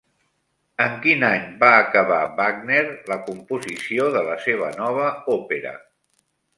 En quin any va acabar Wagner la composició de la seva nova òpera?